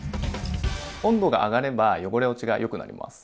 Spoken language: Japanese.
温度が上がれば汚れ落ちがよくなります。